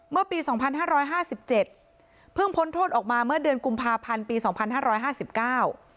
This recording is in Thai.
เมื่อปีสองพันห้าร้อยห้าสิบเจ็ดเพิ่งพ้นโทษออกมาเมื่อเดือนกุมภาพันธ์ปีสองพันห้าร้อยห้าสิบเก้า